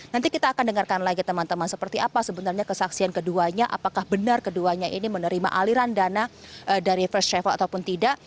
nanti kita akan dengarkan lagi teman teman seperti apa sebenarnya kesaksian keduanya apakah benar keduanya ini menerima aliran dana dari first travel ataupun tidak